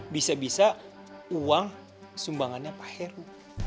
bisa bisa uang sumbangannya pak heru